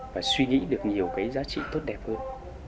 và suy nghĩ được nhiều cái giá trị tốt đẹp hơn